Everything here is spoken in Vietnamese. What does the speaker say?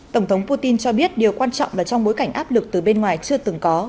tổng thống putin cho biết điều quan trọng là trong bối cảnh áp lực từ bên ngoài chưa từng có